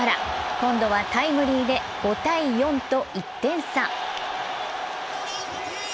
今度はタイムリーで５−４と１点差。